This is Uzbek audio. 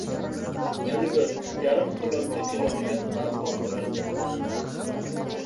Chilvir yarim qulochcha keladigan arqon bo‘ladi.